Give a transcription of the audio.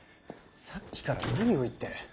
さっきから何を言ってる？